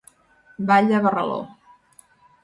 Ball de barraló.